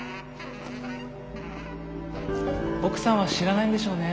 奥さんは知らないんでしょうね。